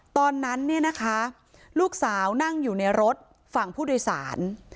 ตอนนั้นเนี่ยนะคะลูกสาวนั่งอยู่ในรถฝั่งผู้โดยสาร